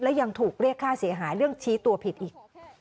และยังถูกเรียกค่าเสียหายเรื่องชี้ตัวผิดอีก